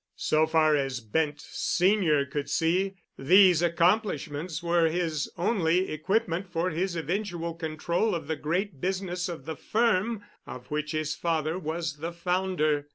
So far as Bent Senior could see, these accomplishments were his only equipment for his eventual control of the great business of the firm of which his father was the founder.